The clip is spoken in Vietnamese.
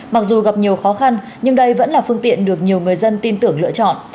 mặc dù gặp nhiều khó khăn nhưng đây vẫn là phương tiện được nhiều người dân tin tưởng lựa chọn